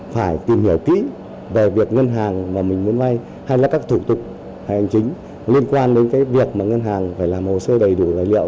phải tìm hiểu kỹ về việc ngân hàng mà mình muốn vây hay là các thủ tục hay hành chính liên quan đến cái việc mà ngân hàng phải làm hồ sơ đầy đủ